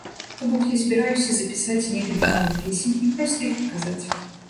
То бок, я збіраюся запісаць некалькі новых песень і проста іх паказаць.